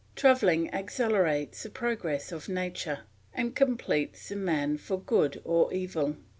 Travelling accelerates the progress of nature, and completes the man for good or evil.